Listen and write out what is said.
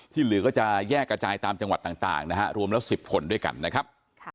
เหลือก็จะแยกกระจายตามจังหวัดต่างนะฮะรวมแล้ว๑๐คนด้วยกันนะครับ